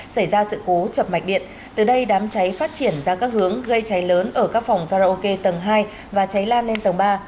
xảy ra sự cố chập mạch điện từ đây đám cháy phát triển ra các hướng gây cháy lớn ở các phòng karaoke tầng hai và cháy lan lên tầng ba